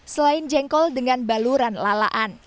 selain jengkol dengan baluran lalaan